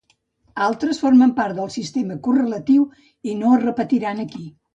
Altres formen part del sistema correlatiu i no es repetiran aquí.